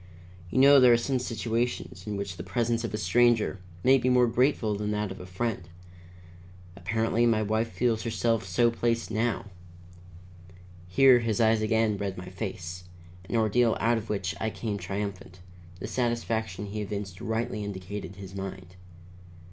You know there are some situations in which the presence of a stranger may be more grateful than that of a friend. Apparently, my wife feels herself so placed now." Here his eyes again read my face, an ordeal out of which I came triumphant; the satisfaction he evinced rightly indicated his mind.